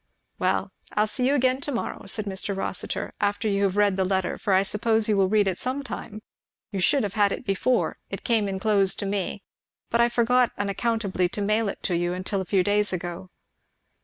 "Well, I will see you to morrow," said Mr. Rossitur, "after you have read the letter, for I suppose you will read it sometime. You should have had it before, it came enclosed to me, but I forgot unaccountably to mail it to you till a few days ago."